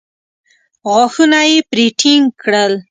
غاښونه يې پرې ټينګ کړل.